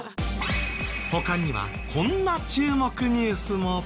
他にはこんな注目ニュースも。